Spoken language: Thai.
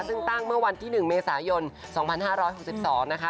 ซึ่งตั้งเมื่อวันที่๑เมษายน๒๕๖๒นะคะ